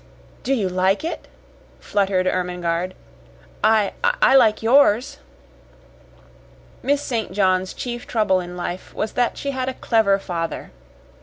"Do you like it?" fluttered Ermengarde. "I I like yours." Miss St. John's chief trouble in life was that she had a clever father.